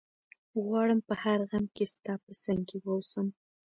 غواړم په هر غم کي ستا په څنګ کي ووسم